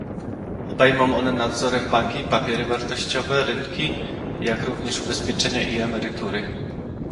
Obejmą one nadzorem banki, papiery wartościowe, rynki, jak również ubezpieczenia i emerytury